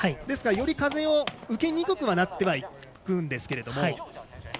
ですから、より風を受けにくくはなってはいくんですけども。